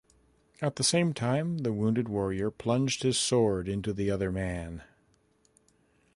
At the same time, the wounded warrior plunged his sword into the other man.